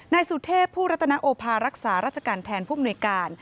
นายสุเทพผู้รัตนโอภารักษาราชการแทนผู้มนุยการ